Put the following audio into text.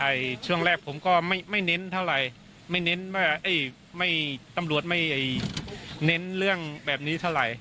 เพราะว่าช่วงแรกผมก็ไม่เน้นเท่าไหร่ตำรวจไม่เน้นเรื่องแบบนี้เท่าไหร่